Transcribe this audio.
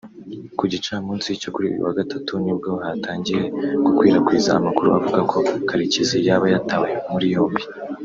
Ku gicamunsi cyo kuri uyu wa Gatatu nibwo hatangiye gukwirakwira amakuru avuga ko Karekezi yaba yatawe muri yombi